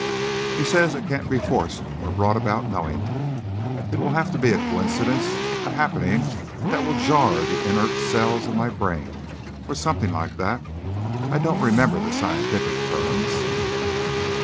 He says it can't be forced or brought about knowingly, it will have to be a coincidence, a happening that will jar the inert cells of my brain or, something like that, I don't remember the scientific terms."